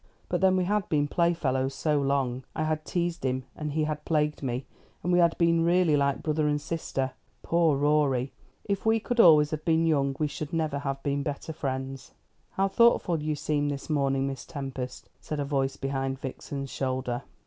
"But then we had been playfellows so long. I had teased him, and he had plagued me; and we had been really like brother and sister. Poor Rorie! If we could have always been young we should have been better friends." "How thoughtful you seem this morning, Miss Tempest," said a voice behind Vixen's shoulder.